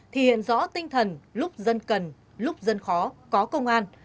thì hiện rõ tinh thần lúc dân cần lúc dân khó có công an